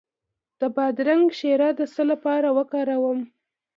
د بادرنګ شیره د څه لپاره وکاروم؟